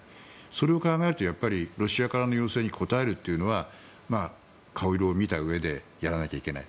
それを考えるとロシアからの要請に応えるというのは顔色を見たうえでやらなきゃいけない。